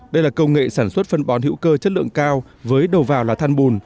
đây là công nghệ sản xuất phân bón hữu cơ chất lượng cao với đầu vào là than bùn